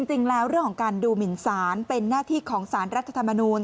จริงแล้วเรื่องของการดูหมินสารเป็นหน้าที่ของสารรัฐธรรมนูล